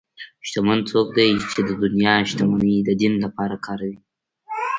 شتمن څوک دی چې د دنیا شتمني د دین لپاره کاروي.